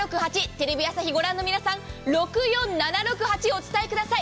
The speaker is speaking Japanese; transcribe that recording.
テレビ朝日をご覧の皆さん６４７６８をお伝えください。